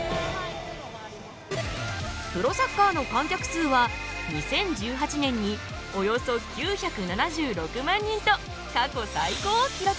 プロサッカーの観客数は２０１８年におよそ９７６万人と過去最高を記録！